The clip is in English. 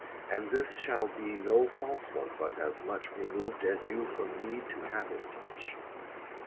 And this shall be no false one, but as much Remov'd, as you from need to have it such.